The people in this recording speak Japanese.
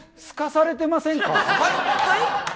すかされてませんか？